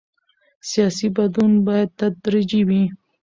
سیاسي بدلون باید تدریجي وي